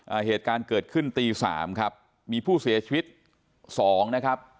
อ่าเหตุการณ์เกิดขึ้นตีสามครับมีผู้เสียชีวิตสองนะครับ